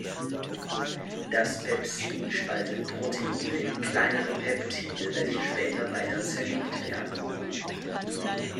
Das Pepsin spaltet Proteine in kleinere Peptide, welche später weiter zerlegt werden.